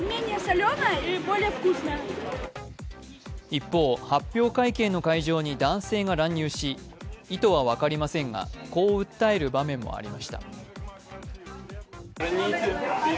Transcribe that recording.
一方、発表会見の会場に男性が乱入し、意図は分かりませんがこう訴える場面もありました。